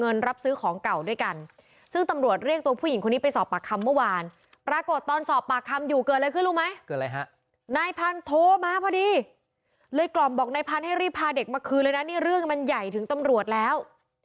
เมื่อคืนเลยนะนี่เรื่องมันใหญ่ถึงตำรวจแล้ว